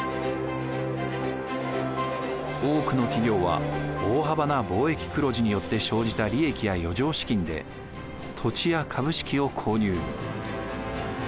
多くの企業は大幅な貿易黒字によって生じた利益や余剰資金で土地や株式を購入。